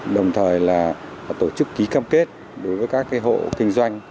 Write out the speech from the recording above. đồng thời là tổ chức ký cam kết đối với các hộ kinh doanh